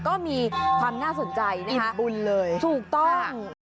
ก็มีความน่าสนใจในอิ่มบุญเลยถูกต้อง